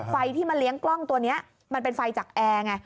ไฟที่มาเลี้ยงกล้องตัวนี้มันเป็นไฟจากแอร์ไง